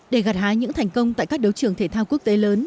để gặt hái những thành công tại các đấu trường thể thao quốc tế lớn